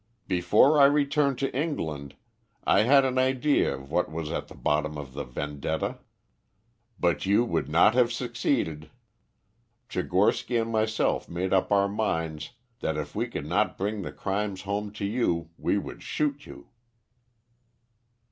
Before I returned to England I had an idea of what was at the bottom of the vendetta. But you would not have succeeded. Tchigorsky and myself made up our minds that if we could not bring the crimes home to you we would shoot you."